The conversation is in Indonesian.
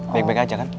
baik baik aja kan